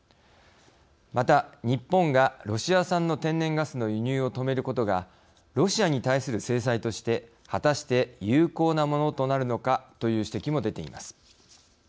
また日本がロシア産の天然ガスの輸入を止めることがロシアに対する制裁として果たして有効なものとなるのかという指摘も出ています。